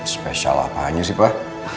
spesial apaan sih pak